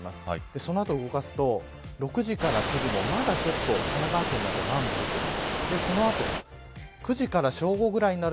そのあと動かすと６時から９時もまだちょっと神奈川県など南部、降っています。